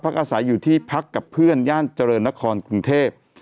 อาศัยอยู่ที่พักกับเพื่อนย่านเจริญนครกรุงเทพ